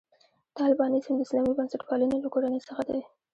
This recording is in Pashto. طالبانیزم د اسلامي بنسټپالنې له کورنۍ څخه دی.